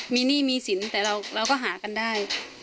มีหนี้มีสินแต่เราก็หากันได้